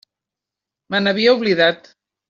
Me n'havia oblidat.